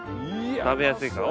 食べやすいから。